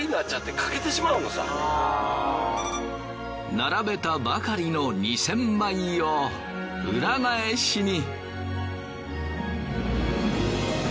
並べたばかりの２，０００枚を裏返しに。